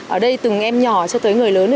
ở đây từ em nhỏ cho tới người lớn